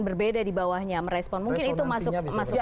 berbeda dibawahnya merespon mungkin itu masuk